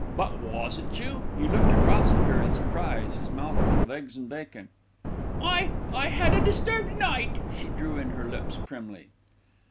"But wasn't you?" He looked across at her in surprise, his mouth full of eggs and bacon. "I I had a disturbed night," she drew in her lips primly.